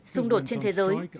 xung đột trên thế giới